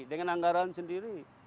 dengan anggaran sendiri